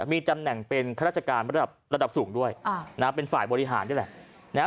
มีจำแหน่งเป็นราชการระดับสูงด้วยเป็นฝ่ายบริหารด้วยแหละ